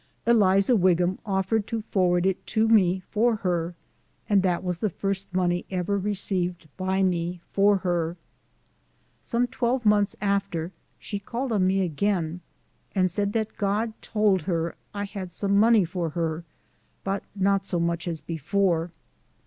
Eliza Wigham offered to forward it to me for her, and that was the first money ever received by me for her. Some twelve months after, she called on me again, and said that God told her I had some money for her, but not so much as before.